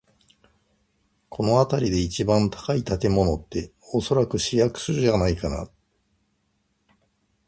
この辺りで一番高い建物って、おそらく市役所じゃないかな。